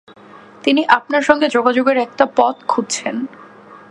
তিনি আপনার সঙ্গে যোগাযোগের একটা পথ খুঁজছেন।